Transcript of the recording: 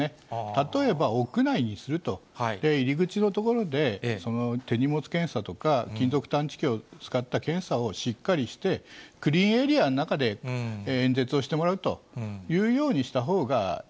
例えば屋内にすると、入り口の所で手荷物検査とか、金属探知機を使った検査をしっかりして、クリーンエリアの中で演説をしてもらうというようにしたほうがい